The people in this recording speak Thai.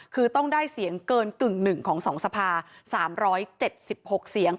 คือต้องได้เสียงเกินกึ่งหนึ่งของ๒สภา๓๗๖เสียง